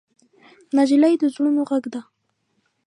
نجلۍ د زړونو غږ ده.